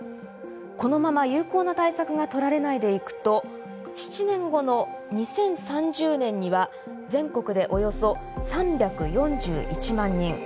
このまま有効な対策が取られないでいくと７年後の２０３０年には全国でおよそ３４１万人。